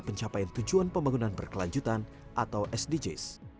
pencapaian tujuan pembangunan berkelanjutan atau sdgs